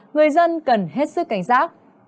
người dân cần hết sức cảnh rác